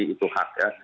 itu hak dewan